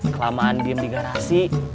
kelamaan diem di garasi